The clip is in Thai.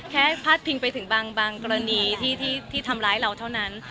พาดพิงไปถึงบางกรณีที่ทำร้ายเราเท่านั้น